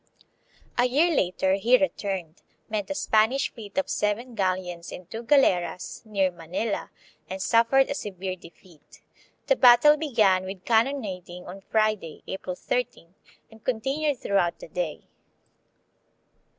A year later he returned, met a Spanish fleet of seven galleons and two galeras near Manila and suffered a severe defeat. 1 The battle began with cannonading on Friday, April 13, and continued throughout the day.